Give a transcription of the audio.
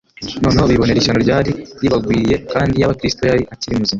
noneho bibonera ishyano ryari ribagwiriye; kandi iyaba Kristo yari akiri muzima,